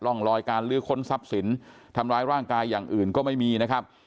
ร่องรอยการลื้อค้นทรัพย์สินทำร้ายร่างกายอย่างอื่นก็ไม่มีนะครับ